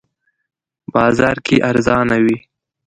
بازار کې ارزانه وی